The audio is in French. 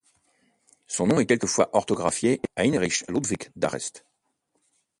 Son nom est quelquefois orthographié Heinrich Ludwig d'Arrest.